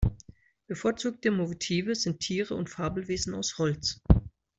Bevorzugte Motive sind Tiere und Fabelwesen aus Holz.